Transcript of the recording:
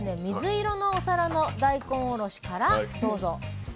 水色のお皿の大根おろしからどうぞ。